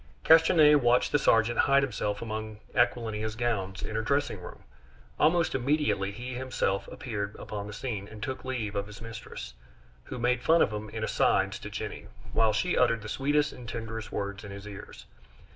Castanier watched the sergeant hide himself among Aquilina's gowns in her dressing room. Almost immediately he himself appeared upon the scene, and took leave of his mistress, who made fun of him in "asides" to Jenny, while she uttered the sweetest and tenderest words in his ears.